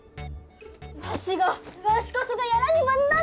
わしがわしこそがやらねば何とする！